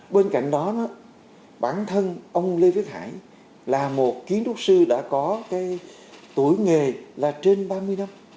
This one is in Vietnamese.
bên cạnh đó bản thân ông lê viết hải là một kiến trúc sư đã có cái tuổi nghề là trên ba mươi năm